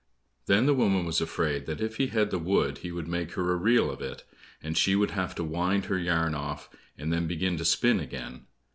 Then the woman was afraid that if he had the wood he would make her a reel of it, and she would have to wind her yarn off, and then begin to spin again.